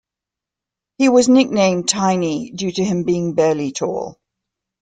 He was nicknamed "Tiny", due to him being barely tall.